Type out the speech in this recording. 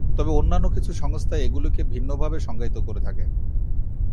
তবে অন্যান্য কিছু সংস্থা এগুলিকে ভিন্নভাবে সংজ্ঞায়িত করে থাকে।